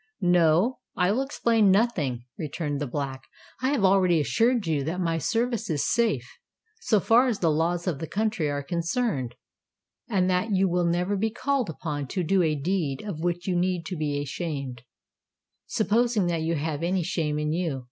"No—I will explain nothing," returned the Black. "I have already assured you that my service is safe, so far as the laws of the country are concerned, and that you will never be called upon to do a deed of which you need be ashamed—supposing that you have any shame in you.